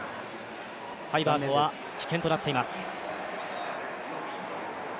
ハイバートは棄権となっています。